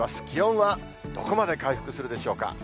気温はどこまで回復するでしょうか。